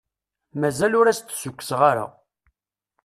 Mazal ur as-d-ssukkseɣ ara.